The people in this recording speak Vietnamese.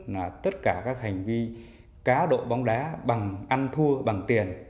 là tất cả các hành vi cá độ bóng đá bằng ăn thua bằng tiền